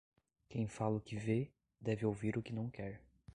Quem fala o que vê deve ouvir o que não quer.